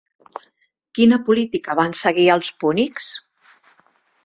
Quina política van seguir els púnics?